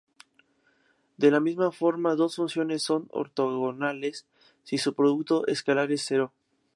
De la misma forma, dos funciones son ortogonales si su producto escalar es cero.